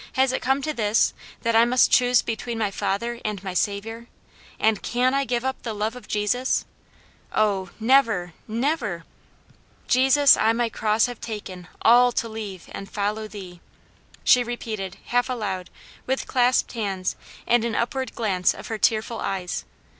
"Has it come to this, that I must choose between my father and my Saviour? and can I give up the love of Jesus? oh, never, never! 'Jesus, I my cross have taken All to leave and follow thee.'" she repeated, half aloud, with clasped hands, and an upward glance of her tearful eyes.